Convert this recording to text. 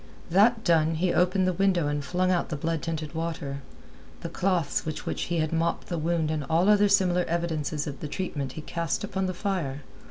That done, he opened the window and flung out the blood tinted water. The cloths with which he had mopped the wound and all other similar evidences of the treatment he cast upon the fire.